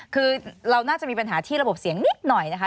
คือเราน่าจะมีปัญหาที่ระบบเสียงนิดหน่อยนะคะ